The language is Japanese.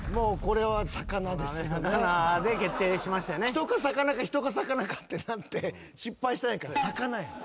ヒトか魚かヒトか魚かってなって失敗したんやから。